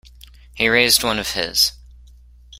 He raised one of his.